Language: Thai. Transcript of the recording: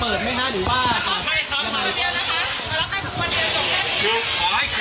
เดี๋ยวฟังบริกาศสักครู่นะครับคุณผู้ชมครับ